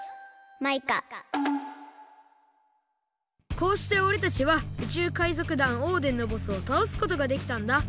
こうしておれたちは宇宙海賊団オーデンのボスをたおすことができたんだ。